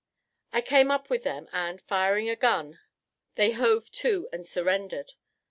I came up with them, and, firing a gun, they hove to and surrendered.